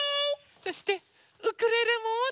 そしてウクレレももった。